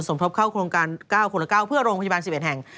ทบเข้าโครงการ๙คนละ๙เพื่อโรงพยาบาล๑๑แห่ง